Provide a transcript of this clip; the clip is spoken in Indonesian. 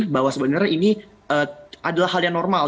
bahwa sebenarnya ini adalah hal yang normal